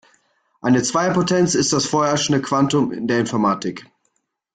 Eine Zweierpotenz ist das vorherrschende Quantum in der Informatik.